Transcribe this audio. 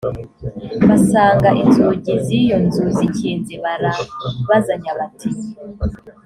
basanga inzugi z iyo nzu zikinze barabazanya bati